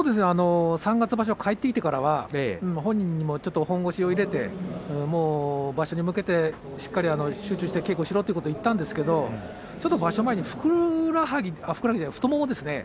三月場所帰って来てからは本人にも本腰を入れて場所に向けてしっかり集中して稽古をしろということを言ったんですけれどちょっと場所前に太ももですね